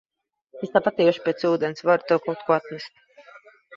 Es tāpat iešu pēc ūdens, varu tev kaut ko atnest.